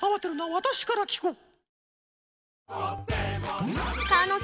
私から聞こう。